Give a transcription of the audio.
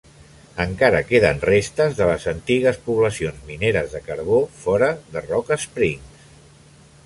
Encara queden restes de les antigues poblacions mineres de carbó fora de Rock Springs.